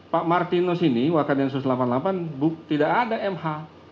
pak martinus ini wakadensus delapan puluh delapan tidak ada mh